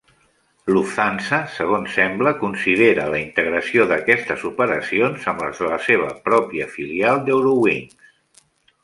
Lufthansa, segons sembla, considera la integració d'aquestes operacions amb les de la seva pròpia filial d'Eurowings.